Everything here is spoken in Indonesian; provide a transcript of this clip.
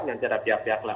nanti ada pihak pihak lain